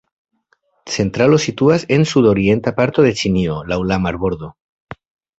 Centralo situas en sudorienta parto de Ĉinio laŭ la marbordo.